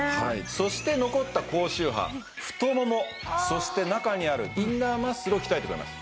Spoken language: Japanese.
そして残った高周波太ももそして中にあるインナーマッスルを鍛えてくれます。